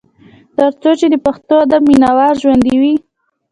تر څو چې د پښتو ادب مينه وال ژوندي وي ۔